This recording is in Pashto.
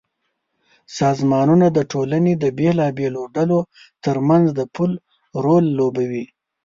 سازمانونه د ټولنې د بېلابېلو ډلو ترمنځ د پُل رول لوبوي.